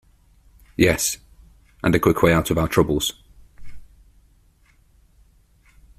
Yes, and a quick way out of our troubles.